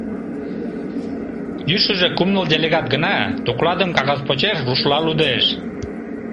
Йӱшыжӧ кум-ныл делегат гына, докладым кагаз почеш рушла лудеш.